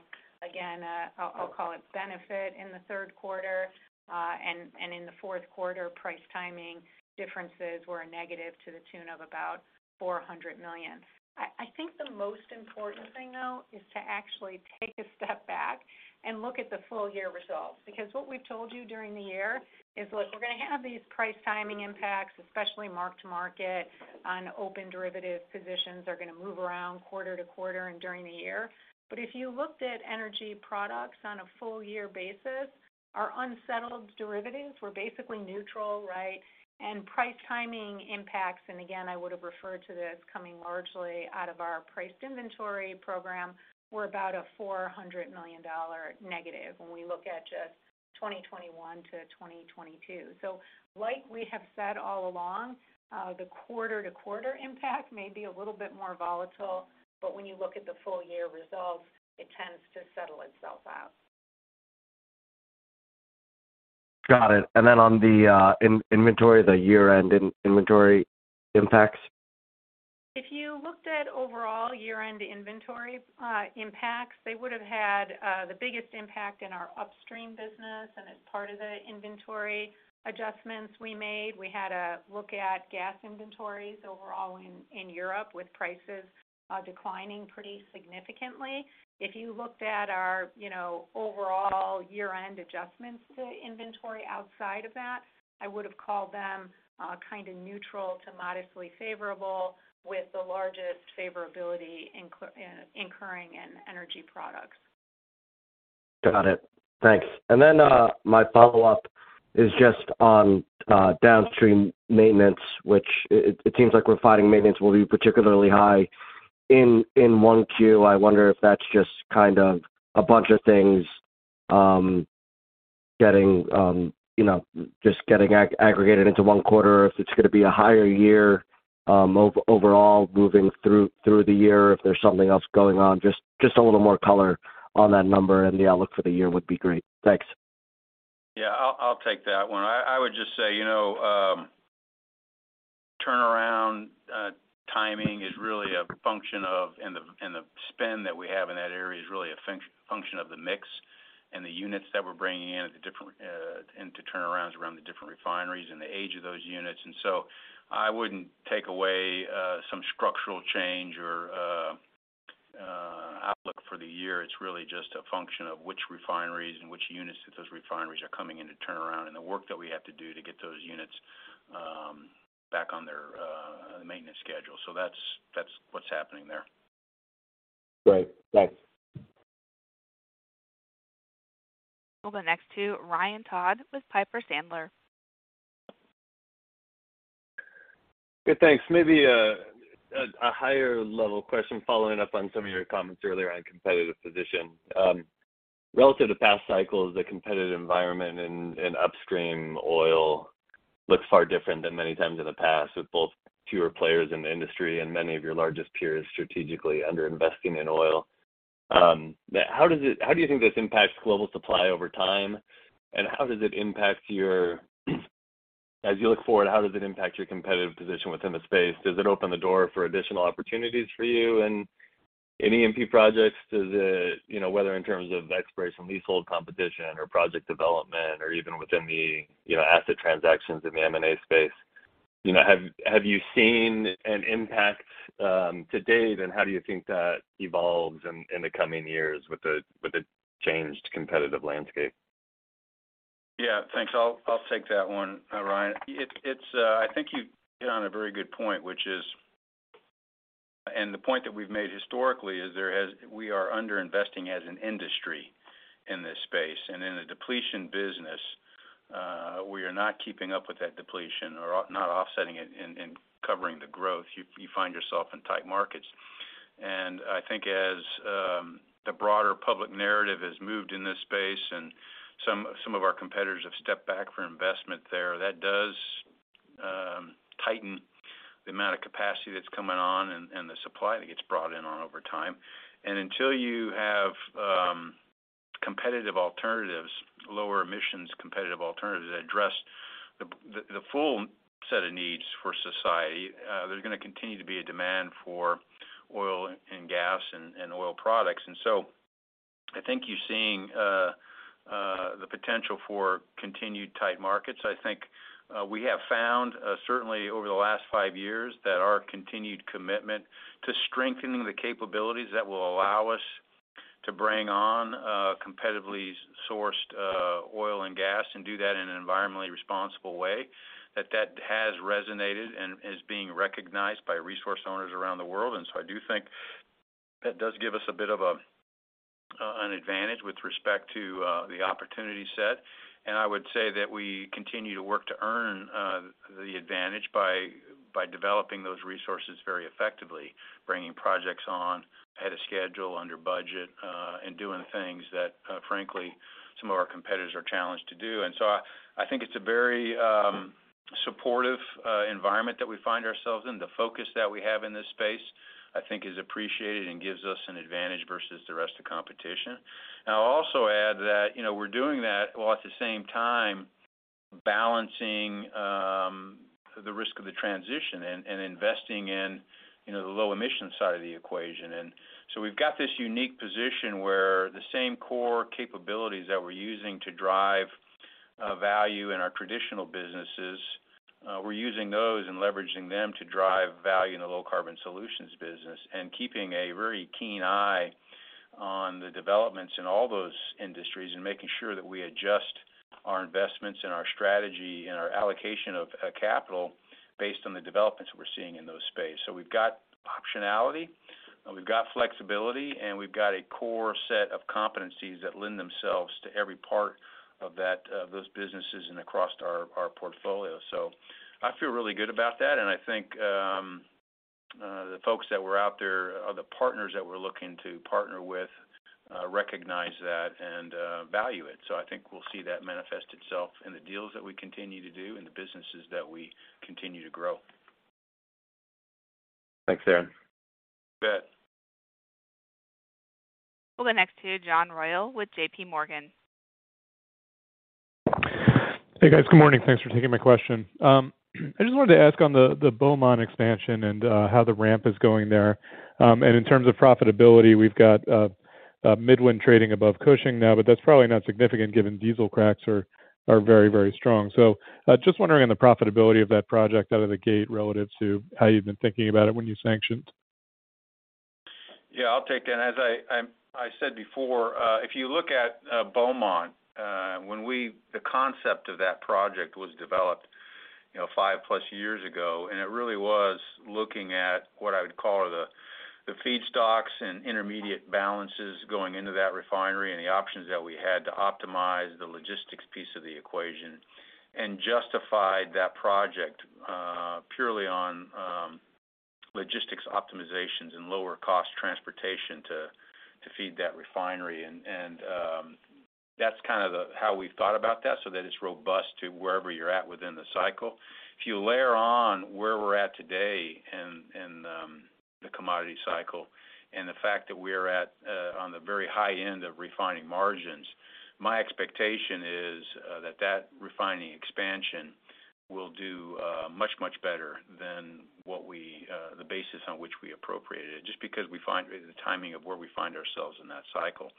again, I'll call it benefit in the third quarter. And in the fourth quarter, price timing differences were a negative to the tune of about $400 million. I think the most important thing, though, is to actually take a step back and look at the full-year results. Because what we've told you during the year is, look, we're gonna have these price timing impacts, especially mark-to-market on open derivative positions are gonna move around quarter to quarter and during the year. If you looked at Energy Products on a full year basis, our unsettled derivatives were basically neutral, right? Price timing impacts, and again, I would have referred to this coming largely out of our priced inventory program, were about a $400 million negative when we look at just 2021-2022. Like we have said all along, the quarter-to-quarter impact may be a little bit more volatile, but when you look at the full year results, it tends to settle itself out. Got it. Then on the in-inventory, the year-end in-inventory impacts? If you looked at overall year-end inventory impacts, they would have had the biggest impact in our upstream business. As part of the inventory adjustments we made, we had to look at gas inventories overall in Europe, with prices declining pretty significantly. If you looked at our, you know, overall year-end adjustments to inventory outside of that, I would have called them kind of neutral to modestly favorable with the largest favorability incurring in Energy Products. Got it. Thanks. My follow-up is just on downstream maintenance, which it seems like refining maintenance will be particularly high in 1Q. I wonder if that's just kind of a bunch of things, you know, just getting aggregated into one quarter, if it's gonna be a higher year overall moving through the year, if there's something else going on? Just a little more color on that number and the outlook for the year would be great. Thanks. Yeah, I'll take that one. I would just say, you know, turnaround timing is really a function of, and the spend that we have in that area is really a function of the mix and the units that we're bringing in at the different into turnarounds around the different refineries and the age of those units. I wouldn't take away some structural change or outlook for the year. It's really just a function of which refineries and which units at those refineries are coming into turnaround and the work that we have to do to get those units back on their maintenance schedule. That's what's happening there. Great. Thanks. We'll go next to Ryan Todd with Piper Sandler. Good. Thanks. Maybe a higher level question following up on some of your comments earlier on competitive position? Relative to past cycles, the competitive environment in upstream oil looks far different than many times in the past, with both fewer players in the industry and many of your largest peers strategically under-investing in oil. How do you think this impacts global supply over time, and how does it impact your competitive position within the space? Does it open the door for additional opportunities for you in E&P projects? Does it, you know, whether in terms of exploration leasehold competition or project development or even within the, you know, asset transactions in the M&A space? You know, have you seen an impact to date, and how do you think that evolves in the coming years with the changed competitive landscape? Yeah, thanks. I'll take that one, Ryan. It's, I think you hit on a very good point, which is, we are underinvesting as an industry in this space and in a depletion business, we are not keeping up with that depletion or not offsetting it and covering the growth. You find yourself in tight markets. I think as the broader public narrative has moved in this space and some of our competitors have stepped back from investment there, that does tighten the amount of capacity that's coming on and the supply that gets brought in on over time. Until you have competitive alternatives, lower emissions competitive alternatives that address the full set of needs for society, there's gonna continue to be a demand for oil and gas and oil products. I think you're seeing the potential for continued tight markets. I think we have found certainly over the last five years that our continued commitment to strengthening the capabilities that will allow us to bring on competitively sourced oil and gas and do that in an environmentally responsible way, that has resonated and is being recognized by resource owners around the world. I do think that does give us a bit of an advantage with respect to the opportunity set. I would say that we continue to work to earn the advantage by developing those resources very effectively, bringing projects on ahead of schedule, under budget, and doing things that frankly, some of our competitors are challenged to do. I think it's a very supportive environment that we find ourselves in. The focus that we have in this space, I think is appreciated and gives us an advantage versus the rest of the competition. I'll also add that, you know, we're doing that while at the same time balancing the risk of the transition and investing in, you know, the low emission side of the equation. We've got this unique position where the same core capabilities that we're using to drive value in our traditional businesses, we're using those and leveraging them to drive value in the low carbon solutions business and keeping a very keen eye on the developments in all those industries and making sure that we adjust our investments and our strategy and our allocation of capital based on the developments we're seeing in those space. We've got optionality, and we've got flexibility, and we've got a core set of competencies that lend themselves to every part of those businesses and across our portfolio. I feel really good about that, and I think the folks that were out there or the partners that we're looking to partner with recognize that and value it. I think we'll see that manifest itself in the deals that we continue to do, in the businesses that we continue to grow. Thanks, Darren. You bet. We'll go next to John Royall with JPMorgan. Hey, guys. Good morning. Thanks for taking my question. I just wanted to ask on the Beaumont expansion and how the ramp is going there? In terms of profitability, we've got Midland trading above Cushing now, but that's probably not significant given diesel cracks are very, very strong. Just wondering on the profitability of that project out of the gate relative to how you've been thinking about it when you sanctioned? Yeah, I'll take that. As I said before, if you look at Beaumont, when the concept of that project was developed, you know, 5+ years ago, it really was looking at what I would call the feedstocks and intermediate balances going into that refinery and the options that we had to optimize the logistics piece of the equation and justify that project purely on logistics optimizations and lower cost transportation to feed that refinery. That's kind of how we've thought about that so that it's robust to wherever you're at within the cycle. If you layer on where we're at today in the commodity cycle and the fact that we're at on the very high end of refining margins, my expectation is that that refining expansion will do much, much better than what we the basis on which we appropriated it, just because we find the timing of where we find ourselves in that cycle.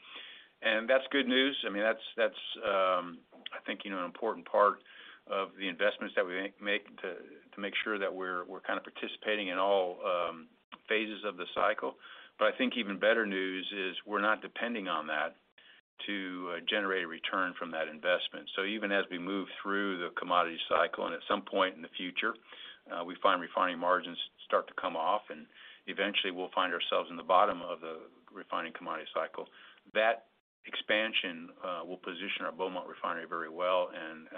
That's good news. I mean, that's, I think, you know, an important part of the investments that we make to make sure that we're kind of participating in all phases of the cycle. I think even better news is we're not depending on that to generate a return from that investment. Even as we move through the commodity cycle and at some point in the future, we find refining margins start to come off, and eventually we'll find ourselves in the bottom of the refining commodity cycle. That expansion will position our Beaumont Refinery very well and,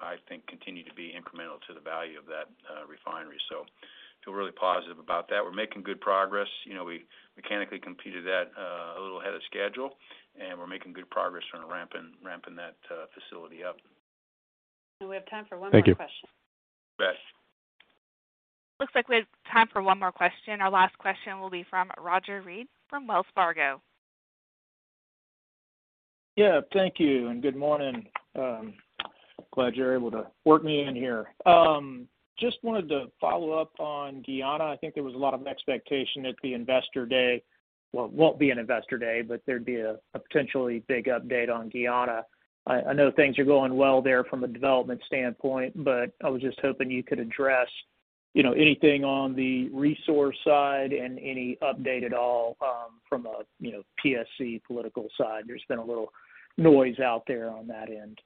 I think continue to be incremental to the value of that refinery. Feel really positive about that. We're making good progress. You know, we mechanically completed that a little ahead of schedule, and we're making good progress on ramping that facility up. We have time for one more question. Thank you. You bet. Looks like we have time for one more question. Our last question will be from Roger Read from Wells Fargo. Yeah, thank you, and good morning. Glad you're able to work me in here. Just wanted to follow up on Guyana. I think there was a lot of expectation at the Investor Day. Well, it won't be an Investor Day, but there'd be a potentially big update on Guyana. I know things are going well there from a development standpoint, but I was just hoping you could address, you know, anything on the resource side and any update at all from a, you know, PSC political side. There's been a little noise out there on that end.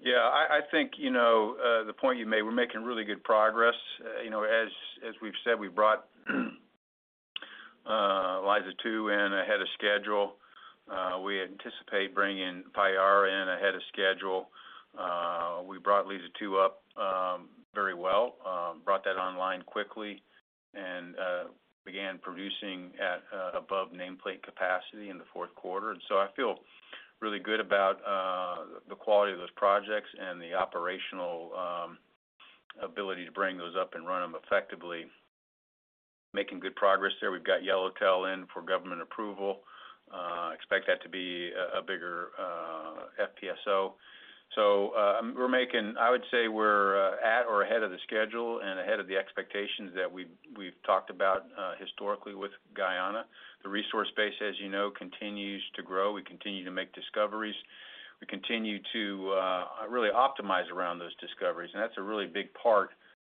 Yeah, I think, you know, the point you made, we're making really good progress. You know, as we've said, we brought Liza 2 in ahead of schedule. We anticipate bringing Payara in ahead of schedule. We brought Liza 2 up very well, brought that online quickly and began producing at above nameplate capacity in the fourth quarter. I feel really good about the quality of those projects and the operational ability to bring those up and run them effectively. Making good progress there. We've got Yellowtail in for government approval. Expect that to be a bigger FPSO. I would say we're at or ahead of the schedule and ahead of the expectations that we've talked about historically with Guyana. The resource base, as you know, continues to grow. We continue to make discoveries. We continue to really optimize around those discoveries. That's a really big part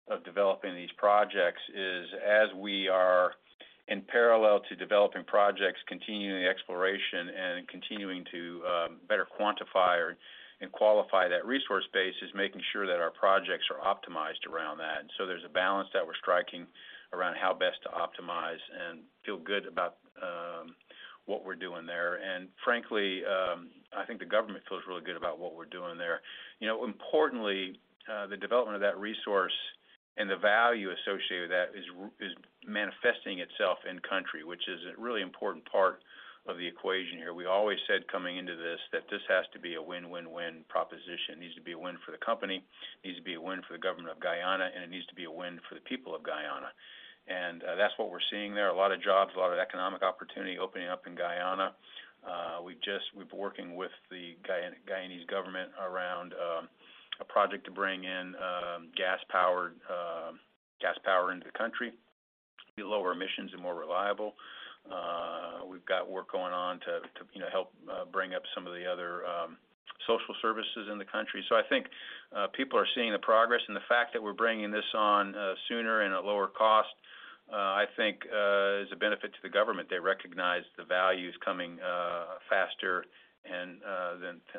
of developing these projects is as we are in parallel to developing projects, continuing the exploration and continuing to better quantify and qualify that resource base is making sure that our projects are optimized around that. There's a balance that we're striking around how best to optimize and feel good about what we're doing there. Frankly, I think the government feels really good about what we're doing there. You know, importantly, the development of that resource and the value associated with that is manifesting itself in country, which is a really important part of the equation here. We always said coming into this that this has to be a win-win-win proposition. It needs to be a win for the company, it needs to be a win for the government of Guyana, and it needs to be a win for the people of Guyana. That's what we're seeing there. A lot of jobs, a lot of economic opportunity opening up in Guyana. We've working with the Guyanese government around a project to bring in gas power into the country, be lower emissions and more reliable. We've got work going on to, you know, help bring up some of the other social services in the country. I think people are seeing the progress and the fact that we're bringing this on sooner and at lower cost, I think is a benefit to the government. They recognize the value is coming faster than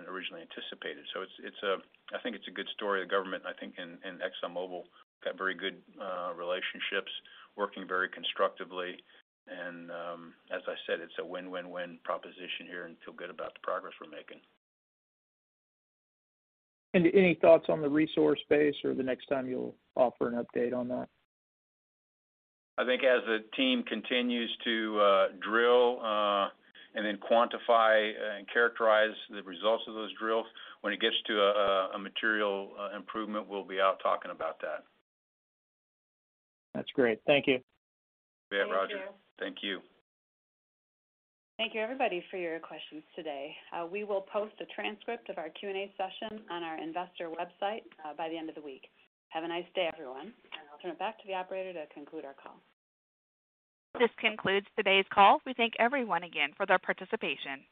originally anticipated. I think it's a good story. The government, I think, and ExxonMobil got very good relationships, working very constructively. As I said, it's a win-win-win proposition here and feel good about the progress we're making. Any thoughts on the resource base or the next time you'll offer an update on that? I think as the team continues to drill, and then quantify and characterize the results of those drills, when it gets to a material improvement, we'll be out talking about that. That's great. Thank you. You bet, Roger. Thank you. Thank you, everybody, for your questions today. We will post a transcript of our Q&A session on our investor website by the end of the week. Have a nice day, everyone. I'll turn it back to the operator to conclude our call. This concludes today's call. We thank everyone again for their participation.